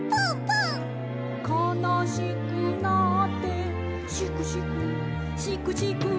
「かなしくなってシクシクシクシク」